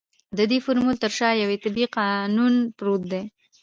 د دې فورمول تر شا يو طبيعي قانون پروت دی.